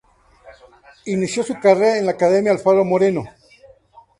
Inicio su carrera en la Academia Alfaro Moreno.